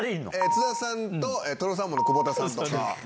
津田さんと、とろサーモンの久保田さんとか。